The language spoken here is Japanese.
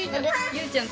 ゆうちゃん